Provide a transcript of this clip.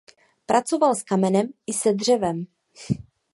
Pracoval s kamenem i se dřevem.